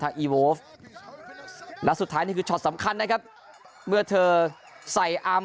อีโวฟและสุดท้ายนี่คือช็อตสำคัญนะครับเมื่อเธอใส่อาร์ม